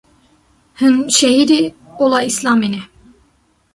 hûn şehîdê ola Îslamê ne